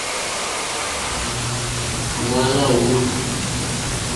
Ŋwáná wùrzû.